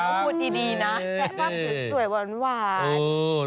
โอ้โหดีนะบ้านสวยหวาน